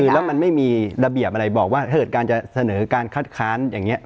แล้วมันไม่มีระเบียบอะไรบอกว่าถ้าเกิดการจะเสนอการคัดค้านอย่างนี้